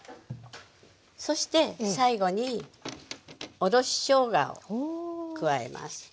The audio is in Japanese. そして最後におろししょうがを加えます。